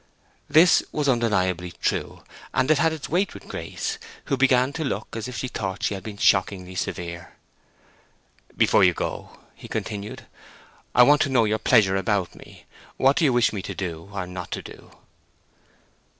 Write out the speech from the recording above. This was undeniably true, and it had its weight with Grace, who began to look as if she thought she had been shockingly severe. "Before you go," he continued, "I want to know your pleasure about me—what you wish me to do, or not to do."